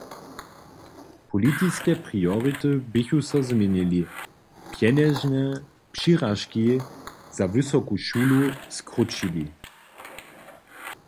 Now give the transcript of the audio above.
Politiske priority běchu so změnili, pjenježne přiražki za wysoku šulu skrótšili.